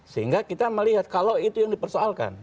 sehingga kita melihat kalau itu yang dipersoalkan